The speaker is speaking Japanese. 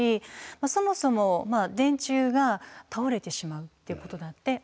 そもそも電柱が倒れてしまうっていうことだってあるわけです。